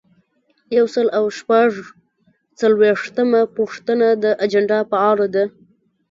یو سل او شپږ څلویښتمه پوښتنه د اجنډا په اړه ده.